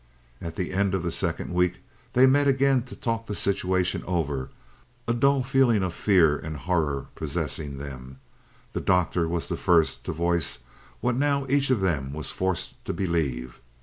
At the end of the second week they met again to talk the situation over, a dull feeling of fear and horror possessing them. The Doctor was the first to voice what now each of them was forced to believe.